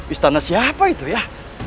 istana siapa itu ya